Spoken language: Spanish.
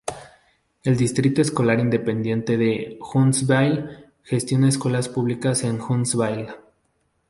El Distrito Escolar Independiente de Huntsville gestiona escuelas públicas en Huntsville.